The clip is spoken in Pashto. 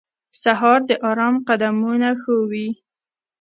سهار د آرام قدمونه ښووي.